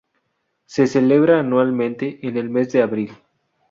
Se celebra anualmente en el mes de abril.